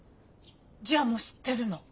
じゃあもう知ってるの？